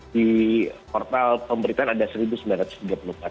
di portal pemberitaan ada satu sembilan ratus tiga puluh empat